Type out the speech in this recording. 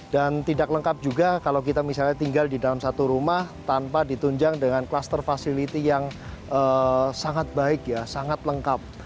dan tidak lengkap juga kalau kita misalnya tinggal di dalam satu rumah tanpa ditunjang dengan kluster fasiliti yang sangat baik sangat lengkap